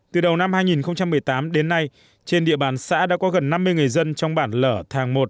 từ đầu năm hai nghìn một mươi tám đến nay trên địa bàn xã đã có gần năm mươi người dân trong bản lở thàng một